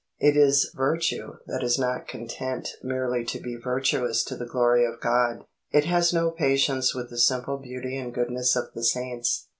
It is virtue that is not content merely to be virtuous to the glory of God. It has no patience with the simple beauty and goodness of the saints.